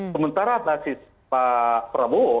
sementara basis pak prabowo